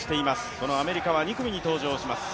そのアメリカは２組に登場します。